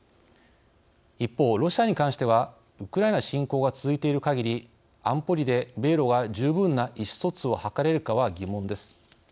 一方、ロシアに関してはウクライナ侵攻が続いているかぎり安保理で米ロが十分な意思疎通を図れるかは疑問です。